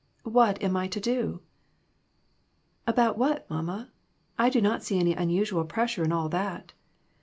What am I to do ?"" About what, mamma? I do not see any unus ual pressure in all that."